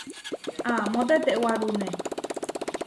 Amó tetewárune.